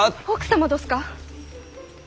奥様どすか？